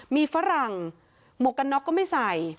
มีฝรั่งหมวกกันน็อกก็ไม่ใส่